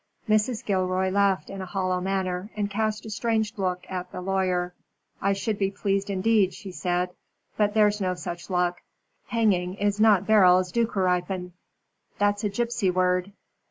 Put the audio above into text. Mrs. Gilroy laughed in a hollow manner, and cast a strange look at the lawyer. "I should be pleased indeed," she said, "but there's no such luck. Hanging is not Beryl's dukkeripen." "That's a gypsy word."